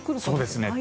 そうですね。